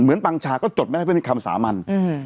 เหมือนปังชาก็จดไปได้เป็นคำสามัน